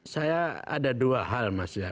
saya ada dua hal mas ya